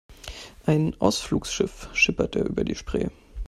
Ein Ausflugsschiff schipperte über die Spree.